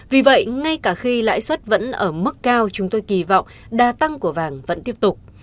vì vậy ngay cả khi lãi suất vẫn ở mức cao chúng tôi kỳ vọng đa tăng của vàng vẫn tiếp tục